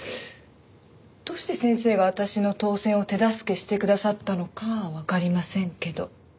どうして先生が私の当選を手助けしてくださったのかはわかりませんけど。